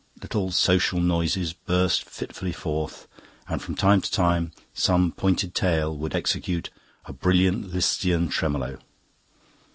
Little social noises burst fitfully forth, and from time to time some pointed tail would execute a brilliant Lisztian tremolo.